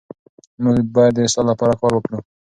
موږ باید د اصلاح لپاره کار وکړو.